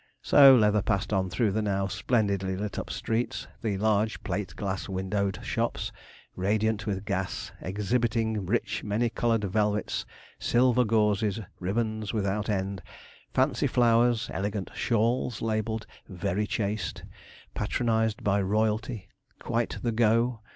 So Leather passed on through the now splendidly lit up streets, the large plate glass windowed shops, radiant with gas, exhibiting rich, many coloured velvets, silver gauzes, ribbons without end, fancy flowers, elegant shawls labelled 'Very chaste,' 'Patronized by Royalty,' 'Quite the go!'